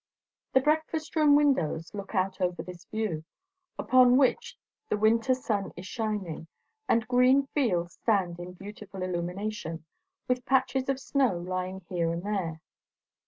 The breakfast room windows look out over this view, upon which the winter sun is shining; and green fields stand in beautiful illumination, with patches of snow lying here and there.